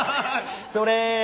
それ！